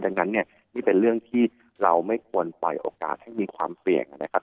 ดังนั้นเนี่ยนี่เป็นเรื่องที่เราไม่ควรปล่อยโอกาสให้มีความเสี่ยงนะครับ